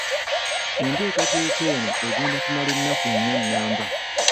Enteekateeka eno egenda kumala ennaku nnya nnamba.